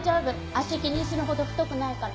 足気にするほど太くないから。